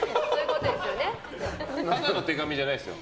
ただの手紙じゃないですよ。